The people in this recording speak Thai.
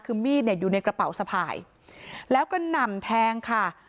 คือมีดเนี่ยอยู่ในกระเป๋าสะพายแล้วก็หนำแทงค่ะ